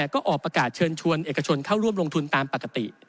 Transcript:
ก็ออกประกาศเชิญชวนเอกชนเข้าร่วมลงทุนตามปกติ